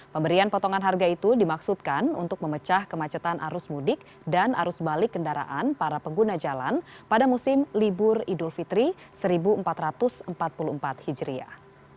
pemberian potongan harga itu dimaksudkan untuk memecah kemacetan arus mudik dan arus balik kendaraan para pengguna jalan pada musim libur idul fitri seribu empat ratus empat puluh empat hijriah